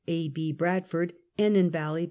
A. B. Bradford, Enon Valley, Pa.